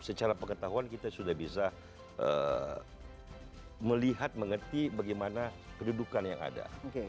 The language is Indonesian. secara pengetahuan kita sudah bisa melihat mengerti bagaimana kedudukan yang ada